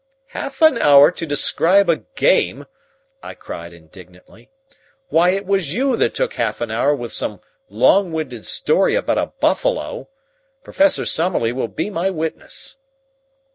"Half an hour to describe a game!" I cried indignantly. "Why, it was you that took half an hour with some long winded story about a buffalo. Professor Summerlee will be my witness."